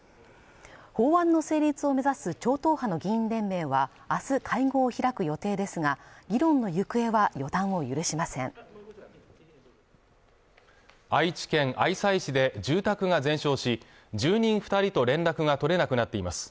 法案の成立を目指す超党派の議員連盟はあす会合を開く予定ですが議論の行方は予断を許しません愛知県愛西市で住宅が全焼し住人二人と連絡が取れなくなっています